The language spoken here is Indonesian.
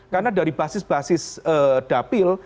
karena dari basis basis dapil